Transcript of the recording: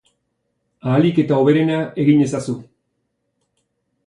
Ahalik eta hoberena egin ezazu.